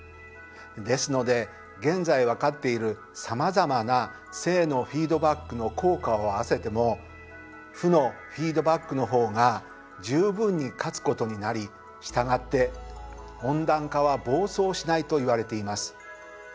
ですので現在分かっているさまざまな正のフィードバックの効果を合わせても負のフィードバックの方が十分に勝つことになり従って温暖化は暴走しないといわれています。